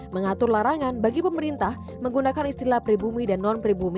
mengatur larangan bagi pemerintah menggunakan istilah pribumi dan non pribumi